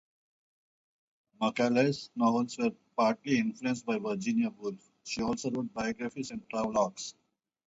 Macaulay's novels were partly-influenced by Virginia Woolf; she also wrote biographies and travelogues.